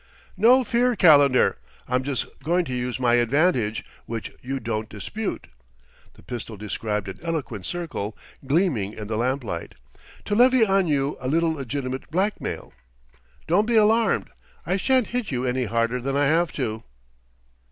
"No fear, Calendar. I'm just going to use my advantage, which you won't dispute," the pistol described an eloquent circle, gleaming in the lamplight "to levy on you a little legitimate blackmail. Don't be alarmed; I shan't hit you any harder than I have to."